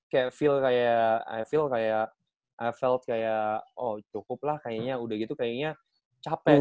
kayak feel kayak i feel kayak effeld kayak oh cukup lah kayaknya udah gitu kayaknya capek gitu